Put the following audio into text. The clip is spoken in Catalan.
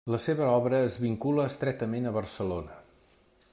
La seva obra es vincula estretament a Barcelona.